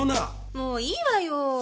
もういいわよ。